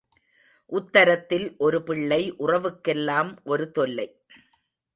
உத்தரத்தில் ஒரு பிள்ளை உறவுக்கெல்லாம் ஒரு தொல்லை.